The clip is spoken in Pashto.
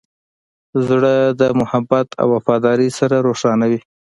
زړه د محبت او وفادارۍ سره روښانه وي.